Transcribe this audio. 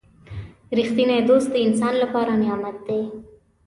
• رښتینی دوست د انسان لپاره نعمت دی.